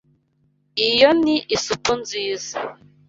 Iyo ni isupu nziza.